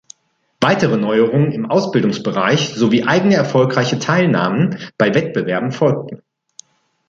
Weitere Neuerungen im Ausbildungsbereich sowie eigene erfolgreiche Teilnahmen bei Wettbewerben folgten.